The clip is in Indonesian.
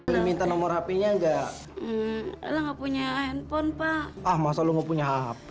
sampai jumpa di video selanjutnya